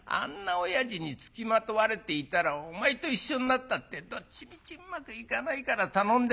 おやじに付きまとわれていたらお前と一緒になったってどっちみちうまくいかないから頼んでるんじゃないか。